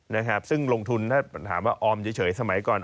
นะครับซึ่งลงทุนถ้าถามว่าออมเฉยสมัยก่อน